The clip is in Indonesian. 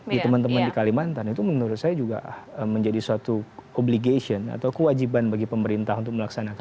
di teman teman di kalimantan itu menurut saya juga menjadi suatu obligation atau kewajiban bagi pemerintah untuk melaksanakan